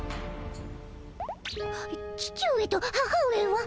父上と母上は？